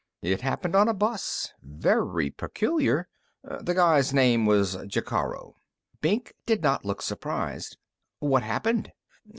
It happened on a bus. Very peculiar. The guy's name was Jacaro." Brink did not look surprised. "What happened?"